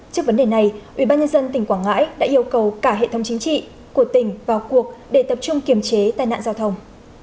trước vấn đề này ubnd tỉnh quảng ngãi đã yêu cầu cả hệ thống chính trị của tỉnh vào cuộc để tập trung kiềm chế tai nạn giao thông